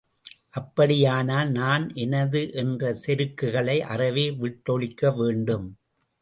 அப்படியானால் நான் எனது என்ற செருக்குகளை அறவே விட்டொழிக்க வேண்டும்.